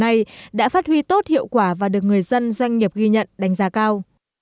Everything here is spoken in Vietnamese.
nay đã phát huy tốt hiệu quả và được người dân doanh nghiệp ghi nhận đánh giá cao